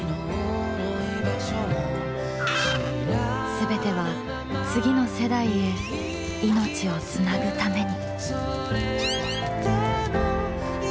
全ては次の世代へ命をつなぐために。